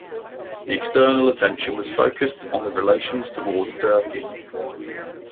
The external attention was focused on the relations towards Turkey.